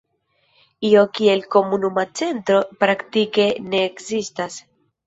Io kiel "komunuma centro" praktike ne ekzistas.